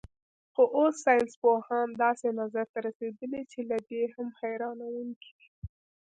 خو اوس ساینسپوهان داسې نظر ته رسېدلي چې له دې هم حیرانوونکی دی.